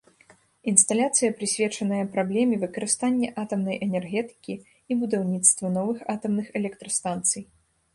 Інсталяцыя прысвечаная праблеме выкарыстання атамнай энергетыкі і будаўніцтва новых атамных электрастанцый.